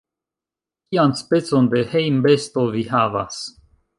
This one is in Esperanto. Kian specon de hejmbesto vi havas?